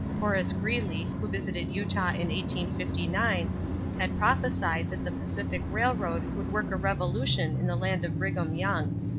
Horace Greeley, who visited Utah in 1859, had prophesied that the Pacific Railroad would work a revolution in the land of Brigham Young.